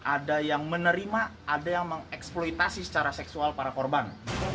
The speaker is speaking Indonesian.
ada yang menerima ada yang mengeksploitasi secara seksual para korban